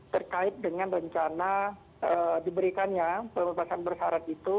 terkait dengan rencana diberikannya pembebasan bersyarat itu